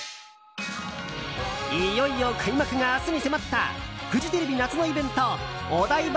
いよいよ開幕が明日に迫ったフジテレビ夏のイベントお台場